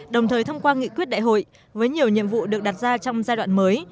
đồng thời thông qua nghị quyết đại hội với nhiều nhiệm vụ được đặt ra trong giai đoạn mới